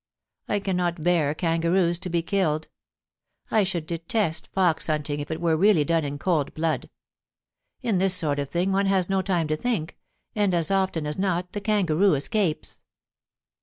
I cannot bear kangaroos to be killed. I should detest fox hunting if it were really done in cold blood. In this sort of thing one has no time to think, and as often as not the kangaroo escapes.'